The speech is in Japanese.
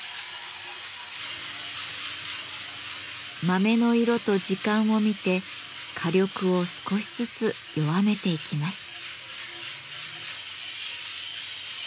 豆の色と時間を見て火力を少しずつ弱めていきます。